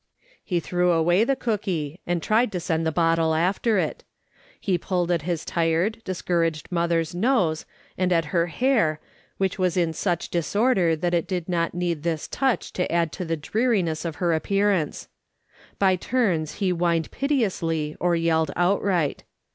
He threw away the cooky, and tried to send the bottle after it ; he pulled at his tired, dis couraged mother's nose, and at her hair, which was in such disorder that it did not need this touch to add to the dreariness of her appearance ; by turns he whined piteously or yelled outright.